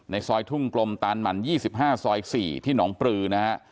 ซอยทุ่งกลมตานหมั่น๒๕ซอย๔ที่หนองปลือนะฮะ